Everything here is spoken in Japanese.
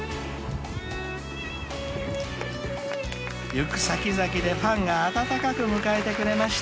［行く先々でファンが温かく迎えてくれました］